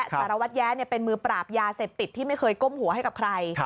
สารวัตรแย้เป็นมือปราบยาเสพติดที่ไม่เคยก้มหัวให้กับใคร